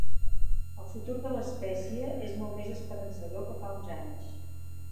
El futur de l'espècie és molt més esperançador que fa uns anys.